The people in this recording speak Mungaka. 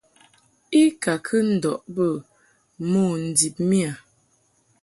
I ka kɨ ndɔʼ bə mo ndib miƴa.